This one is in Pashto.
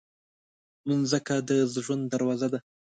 مځکه د ژوند دروازه ده.